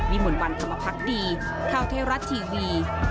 วิหมุนวันคำพักดีข้าวเทราะทีวี